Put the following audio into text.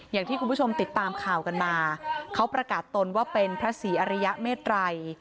อย่างที่คุณผู้ชมติดตามข่าวกันมาเขาประกาศตนว่าเป็นพระศรีอริยเมตรัย